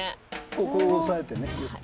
ここを押さえてねグッと。